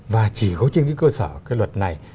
và chỉ có trên cái cơ sở cái luật này